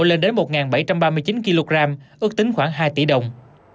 lên đến một bảy trăm ba mươi chín kg ước tính khoảng hai tỷ đồng